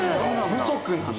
不足なんだ。